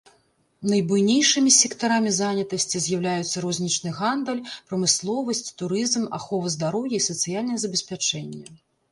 Найбуйнейшымі сектарамі занятасці з'яўляюцца рознічны гандаль, прамысловасць, турызм, ахова здароўя і сацыяльнае забеспячэнне.